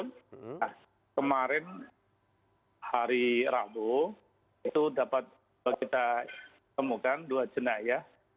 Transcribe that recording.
nah kemarin hari rabu itu dapat kita temukan dua jenayah